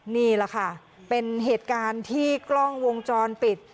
นี่แหละค่ะเป็นเหตุการณ์ที่กล้องวงจรปิด